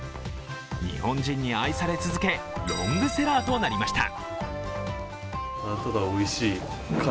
日本人に愛され続けロングセラーとなりました。